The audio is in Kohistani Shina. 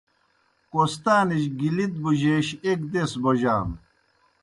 کوستانِجیْ گِلِت بُجَیش ایْک دیز بوجانوْ۔